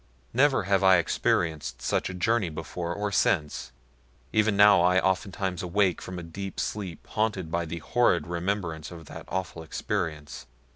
Never have I experienced such a journey before or since even now I oftentimes awake from a deep sleep haunted by the horrid remembrance of that awful experience.